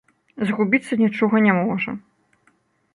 Згубіцца нічога не можа.